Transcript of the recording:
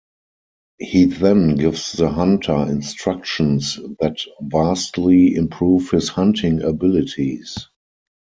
He then gives the hunter instructions that vastly improve his hunting abilities.